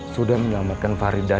sudah menyelamatkan faridah